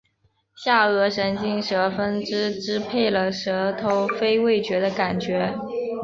下颌神经舌分支支配了舌头非味觉的感觉